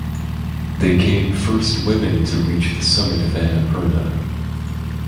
They came first women to reach the summit of Annapurna.